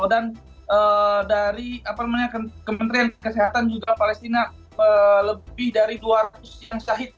dan dari kementerian kesehatan juga palestina lebih dari dua ratus yang syahid